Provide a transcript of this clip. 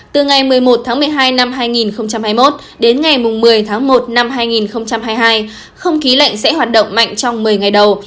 từ ngày một mươi một một mươi hai hai nghìn hai mươi một đến ngày một mươi một hai nghìn hai mươi hai không khí lạnh sẽ hoạt động mạnh trong một mươi ngày đầu